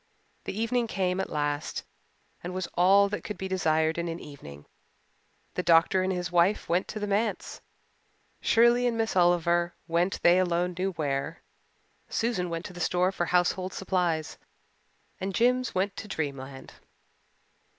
The evening came at last and was all that could be desired in an evening. The doctor and his wife went to the Manse, Shirley and Miss Oliver went they alone knew where, Susan went to the store for household supplies, and Jims went to Dreamland.